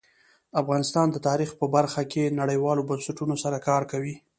افغانستان د تاریخ په برخه کې نړیوالو بنسټونو سره کار کوي.